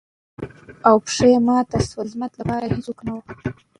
او پښه يې ماته شوه ،خدمت لپاره يې هېڅوک نه وو.